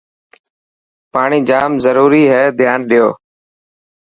پاڻي جام ضروري هي ڌيان ڏيو.